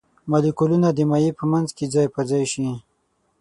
مالیکولونه د مایع په منځ کې ځای پر ځای شي.